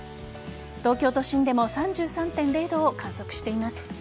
東京都心でも３３．０度を観測しています。